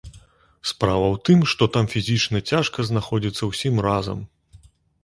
Справа ў тым, што там фізічна цяжка знаходзіцца ўсім разам.